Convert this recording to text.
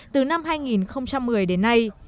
từ năm hai nghìn một mươi đến nay